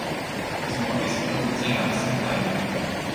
Os móveis foram desenhados na Itália